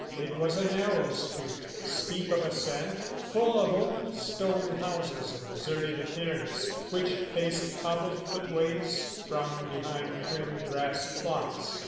It was a narrow street, steep of ascent, full of old stone houses of deserted appearance, which faced cobbled footways from behind prim grass plots.